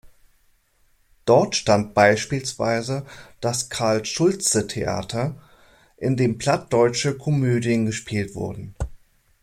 Dort stand beispielsweise das "Carl-Schultze-Theater", in dem plattdeutsche Komödien gespielt wurden.